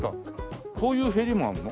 こういうへりもあるの？